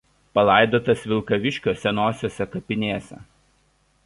Palaidotas Vilkaviškio senosiose kapinėse.